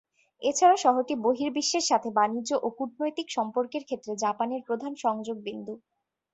এছাড়া শহরটি বহির্বিশ্বের সাথে বাণিজ্য ও কূটনৈতিক সম্পর্কের ক্ষেত্রে জাপানের প্রধান সংযোগ বিন্দু।